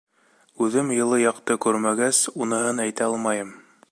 — Үҙем йылы яҡты күрмәгәс, уныһын әйтә алмайым.